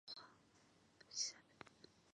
向家坝水电站位于水富城区上游。